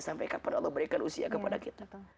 sampai kapan allah berikan usia kepada kita